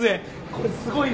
これすごいな。